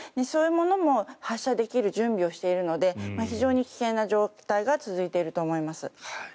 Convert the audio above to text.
そういうものも発射できる準備をしているので非常に危険な状態が続いています。